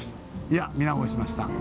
いや見直しました。